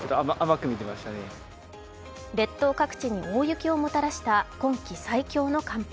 列島各地に大雪をもたらした今季最強の寒波。